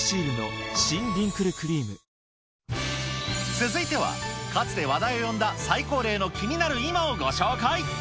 続いては、かつて話題を呼んだ最高齢の気になる今をご紹介。